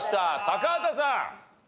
高畑さん。